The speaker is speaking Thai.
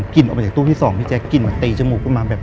กลิ่นออกมาจากตู้ที่๒พี่แจ๊กลิ่นมาตีจมูกขึ้นมา